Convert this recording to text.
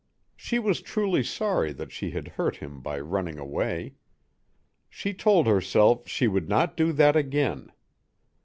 She was truly sorry that she had hurt him by running away. She told herself she would not do that again.